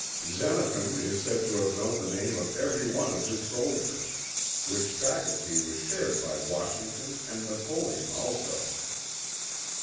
Xenophon is said to have known the name of every one of his soldiers, which faculty was shared by Washington and Napoleon, also.